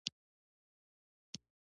که پر اوبو پښه ږدم نه ماتیږي.